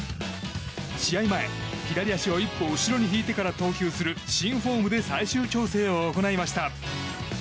試合前、左足を１歩後ろに引いてから投球する新フォームで最終調整を行いました。